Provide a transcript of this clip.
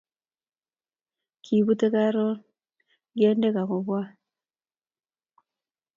Kipute karon ngendek ako bwan